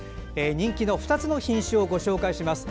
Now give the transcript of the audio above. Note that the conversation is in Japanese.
人気の２つの品種をご紹介します。